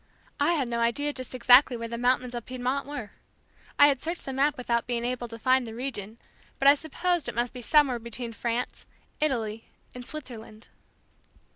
I had no idea just exactly where the mountains of Piedmont were. I had searched the map without being able to find the region, but I supposed it must be somewhere between France, Italy and Switzerland.